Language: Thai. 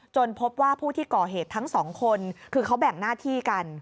พบว่าผู้ที่ก่อเหตุทั้งสองคนคือเขาแบ่งหน้าที่กัน